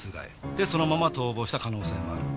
でそのまま逃亡した可能性もある。